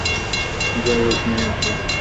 যাই হোক, মেয়ের দল।